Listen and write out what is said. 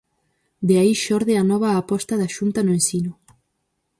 De aí xorde a nova aposta da xunta no ensino.